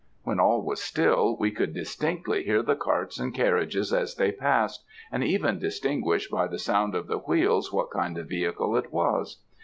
When all was still, we could distinctly hear the carts and carriages as they passed, and even distinguish by the sound of the wheels what kind of vehicle it was.